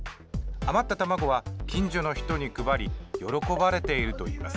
余った卵は近所の人に配り喜ばれていると言います。